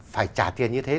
phải trả tiền như thế